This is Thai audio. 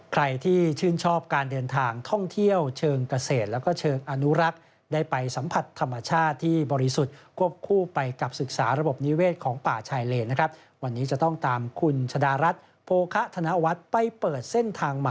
ใครที่ชื่นชอบการเดินทางท่องเที่ยวเชิงเกษต